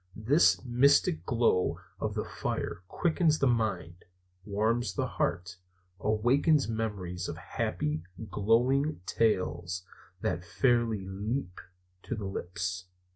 The mystic glow of the fire quickens the mind, warms the heart, awakens memories of happy, glowing tales that fairly leap to the lips.